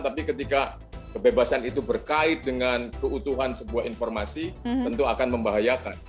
tapi ketika kebebasan itu berkait dengan keutuhan sebuah informasi tentu akan membahayakan